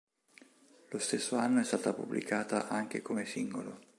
Lo stesso anno è stata pubblicata anche come singolo.